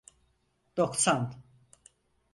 Doksan.